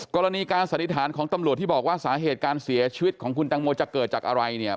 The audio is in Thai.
กรณีการสันนิษฐานของตำรวจที่บอกว่าสาเหตุการเสียชีวิตของคุณตังโมจะเกิดจากอะไรเนี่ย